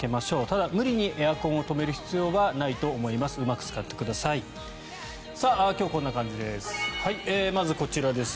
ただ、無理にエアコンを止める必要はないと思います。